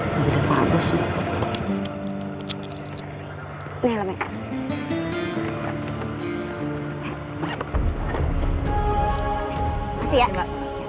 terima kasih ya